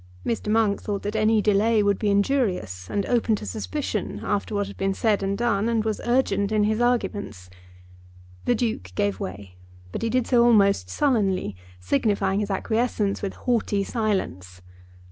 Mr. Monk thought that any delay would be injurious and open to suspicion after what had been said and done, and was urgent in his arguments. The Duke gave way, but he did so almost sullenly, signifying his acquiescence with haughty silence.